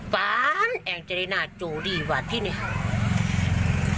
ปานแองจะได้หน้าโจรี่หวัดที่นี่